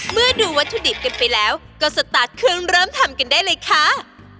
ดูวัตถุดิบกันไปแล้วก็สตาร์ทเครื่องเริ่มทำกันได้เลยค่ะ